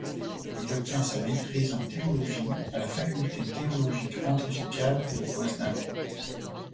Il obtient sa maîtrise en théologie à la faculté théologique pontificale de Poznań.